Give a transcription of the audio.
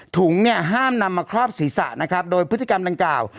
ถุงเนี่ยห้ามนำมาครอบศีรษะนะครับโดยพฤติกรรมดังกล่าว